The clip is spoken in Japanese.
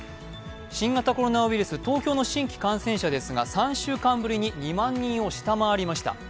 新型コロナウイルス、東京の新規感染者ですが３週間ぶりに２万人を下回りました。